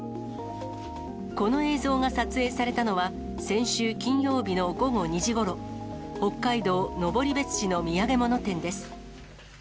この映像が撮影されたのは、先週金曜日の午後２時ごろ、北海道登別市の土産物店です。